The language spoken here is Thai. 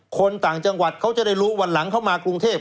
คนต่างจังหวัดเขาจะได้รู้วันหลังเข้ามากรุงเทพ